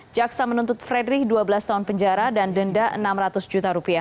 jaksa menuntut fredrik dua belas tahun penjara dan denda rp enam ratus juta rupiah